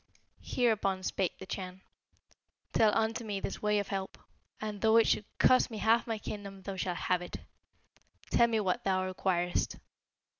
Hereupon spake the Chan, 'Tell unto me this way of help, and though it should cost me half my kingdom thou shalt have it. Tell me what thou requirest.'